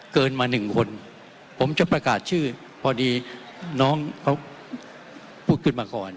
เกินมาหนึ่งคนผมจะประกาศชื่อพอดีน้องเขาพูดขึ้นมาก่อน